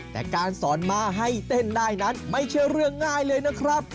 แต่การสอนมาให้เต้นได้นั้นไม่ใช่เรื่องง่ายเลยนะครับ